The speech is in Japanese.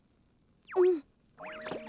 うん。